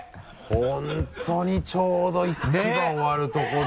本当にちょうど１番終わるところで。